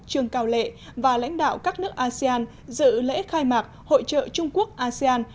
trương cao lệ và lãnh đạo các nước asean dự lễ khai mạc hội trợ trung quốc asean